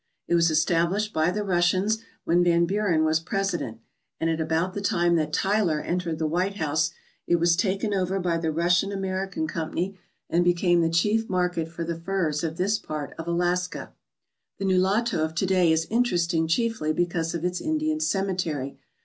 It was established by the Russians when Van Buren was President and at about the time that Tyler entered the White House it was taken over by the Russian American Company and became the chief market for the furs of this part of Alaska. The Nulato of to day is interesting chiefly because of its Indian cemetery.